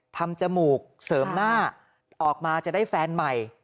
จมูกเสริมหน้าออกมาจะได้แฟนใหม่